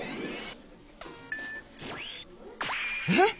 えっ？